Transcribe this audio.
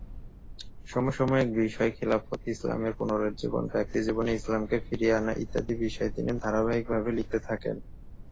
সমসাময়িক বিষয়, খিলাফত, ইসলামের পুনরুজ্জীবন, ব্যক্তিজীবনে ইসলামকে ফিরিয়ে আনা, ইত্যাদি বিষয়ে তিনি ধারাবাহিক ভাবে লিখতে থাকেন।